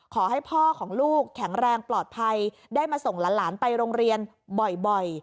ขอให้พ่อของลูกแข็งแรงปลอดภัยได้มาส่งหลานไปโรงเรียนบ่อย